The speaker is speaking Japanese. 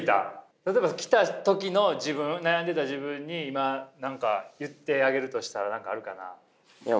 例えば来た時の自分悩んでいた自分に今何か言ってあげるとしたら何かあるかな？